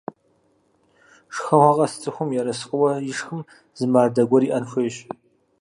Шхэгъуэ къэс цӀыхум ерыскъыуэ ишхым зы мардэ гуэр иӀэн хуейщ.